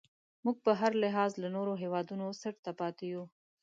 موږ په هر لحاظ له نورو هیوادونو څټ ته پاتې یو.